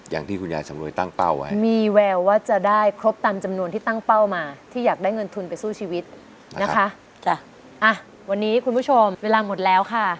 อย่างที่คุณยายสำนวยตั้งเป้าไว้มีแววว่าจะได้ครบตามจำนวนที่ตั้งเป้ามาที่อยากได้เงินทุนไปสู้ชีวิตค่ะ